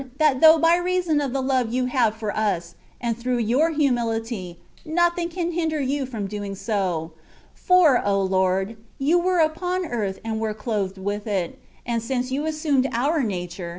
that though by reason of the love You have for us, and through Your humihty, nothing can hinder You from doing so ; (for, O Lord ! You were upon earth and were clothed with it; and since You assumed our nature.